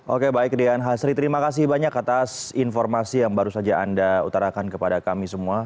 oke baik dian hasri terima kasih banyak atas informasi yang baru saja anda utarakan kepada kami semua